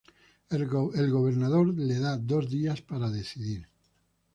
El Gobernador le da dos días para decidir.